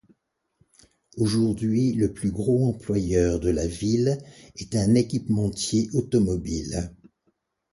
Aujourd'hui le plus gros employeur de la ville est un équipementier automobile.